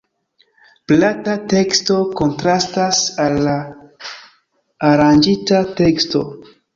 Plata teksto kontrastas al aranĝita teksto.